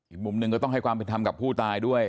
อีกมุมหนึ่งก็ต้องให้ความเป็นธรรมกับผู้ตายด้วย